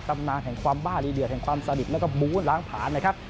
ตำนานแห่งความบ้าลีเดือดแห่งความสนิทแล้วก็บูธล้างผ่านนะครับ